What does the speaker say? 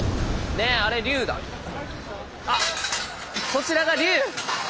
こちらが竜！